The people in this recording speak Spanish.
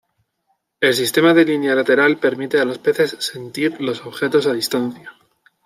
El sistema de línea lateral permite a los peces "sentir" los objetos a distancia.